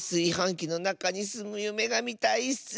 きのなかにすむゆめがみたいッス！